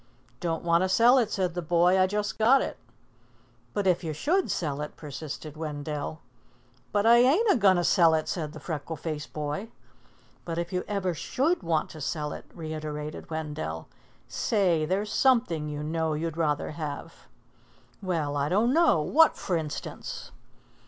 "Don't want to sell it," said the boy. "I just got it." "But if you should sell it," persisted Wendell. "But I ain't a goin' to sell it," said the freckle faced boy. "But if you ever should want to sell it," reiterated Wendell. "Say, there's something, you know, you'd rather have." "Well, I don't know. What, f'r instance?"